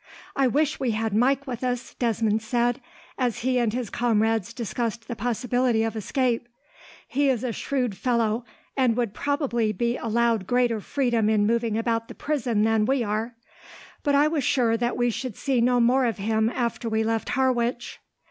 "I wish we had Mike with us," Desmond said, as he and his comrades discussed the possibility of escape. "He is a shrewd fellow, and would probably be allowed greater freedom in moving about the prison than we are; but I was sure that we should see no more of him after we left Harwich.